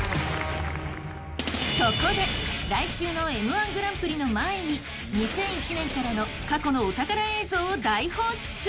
そこで、来週のＭ−１グランプリの前に２００１年からの過去のお宝映像を大放出！